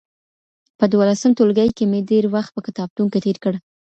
په دولسم ټولګي کي مي ډېر وخت په کتابتون کي تېر کړ.